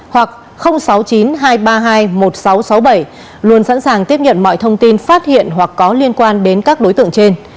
năm nghìn tám trăm sáu mươi hoặc sáu mươi chín hai trăm ba mươi hai một nghìn sáu trăm sáu mươi bảy luôn sẵn sàng tiếp nhận mọi thông tin phát hiện hoặc có liên quan đến các đối tượng trên